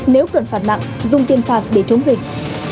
nếu cần phạt nặng dùng tiền phạt để chống dịch